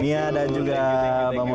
mia dan juga mbak moni